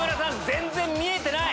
全然見えてない！